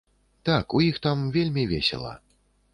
Так, у іх там вельмі весела.